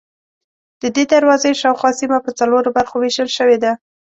ددې دروازې شاوخوا سیمه په څلورو برخو وېشل شوې ده.